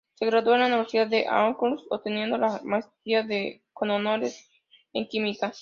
Se graduó en la Universidad de Auckland, obteniendo la maestría con Honores en Química.